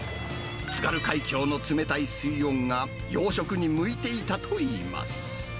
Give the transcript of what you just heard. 津軽海峡の冷たい水温が養殖に向いていたといいます。